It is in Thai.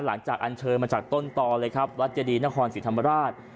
หลังจากอัญเชิญมาจากต้นต่อเลยครับรัฐยดีนครศิษย์ธรรมราช